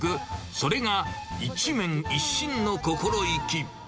それが一麺一心の心意気。